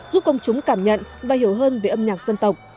giúp công chúng cảm nhận và hiểu hơn về âm nhạc dân tộc